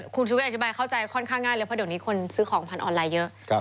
คุณชุวิตอธิบายเข้าใจค่อนข้างง่ายเลยเพราะเดี๋ยวนี้คนซื้อของผ่านออนไลน์เยอะ